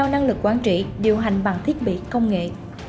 năng lực quản trị điều hành bằng thiết bị công nghệ